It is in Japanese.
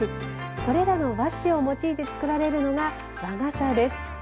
これらの和紙を用いて作られるのが和傘です。